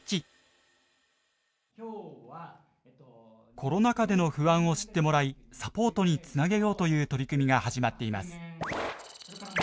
コロナ禍での不安を知ってもらいサポートにつなげようという取り組みが始まっています。